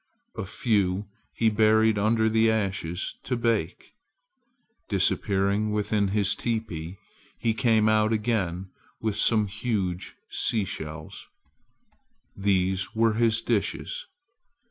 A few he buried under the ashes to bake. Disappearing within his teepee, he came out again with some huge seashells. These were his dishes.